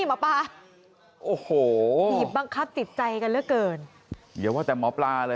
บ๊อบบ้านึยคืออ้วกแรงมากอะ